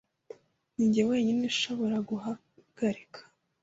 Ninjye wenyine ushobora guhagarika .